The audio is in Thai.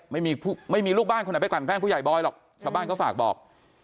ไม่มีไม่มีลูกบ้านคนไหนไปกลั่นแกล้งผู้ใหญ่บอยหรอกชาวบ้านก็ฝากบอก